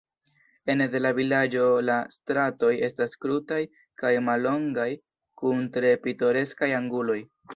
Ene de la vilaĝo la stratoj estas krutaj kaj mallongaj, kun tre pitoreskaj anguloj.